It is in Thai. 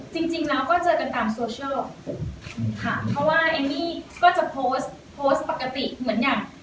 จริงจริงแล้วก็เจอกันตามโซเชียลค่ะเพราะว่าเอมมี่ก็จะโพสต์โพสต์ปกติเหมือนอย่าง